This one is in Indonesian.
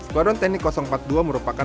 skuadron teknik empat puluh dua merupakan